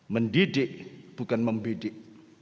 mendidik bukan membedik